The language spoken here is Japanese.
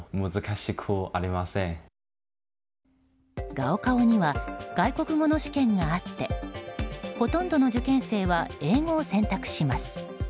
高考には外国語の試験があってほとんどの受験生は英語を選択します。